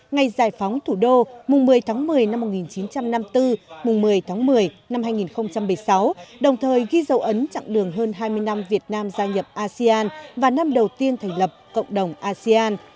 ngày giải phóng thủ đô mùng một mươi tháng một mươi năm một nghìn chín trăm năm mươi bốn mùng một mươi tháng một mươi năm hai nghìn một mươi sáu đồng thời ghi dấu ấn trạng đường hơn hai mươi năm việt nam gia nhập asean và năm đầu tiên thành lập cộng đồng asean